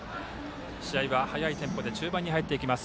試合は速いテンポで中盤に入っていきます。